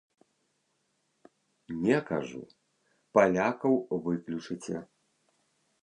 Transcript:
Не, кажу, палякаў выключыце!